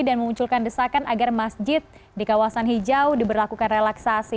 dan memunculkan desakan agar masjid di kawasan hijau diberlakukan relaksasi